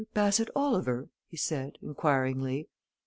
Bassett Oliver?" he said inquiringly.